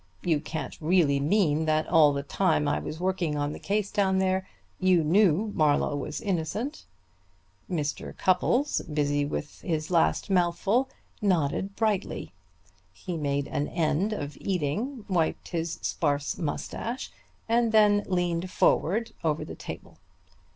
You can't really mean that all the time I was working on the case down there you knew Marlowe was innocent." Mr. Cupples, busy with his last mouthful, nodded brightly. He made an end of eating, wiped his sparse mustache, and then leaned forward over the table.